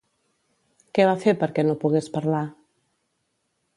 Què va fer perquè no pogués parlar?